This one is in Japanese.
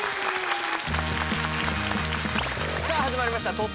さあ始まりました